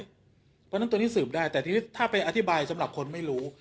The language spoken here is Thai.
เพราะฉะนั้นตัวนี้สืบได้แต่ทีนี้ถ้าไปอธิบายสำหรับคนไม่รู้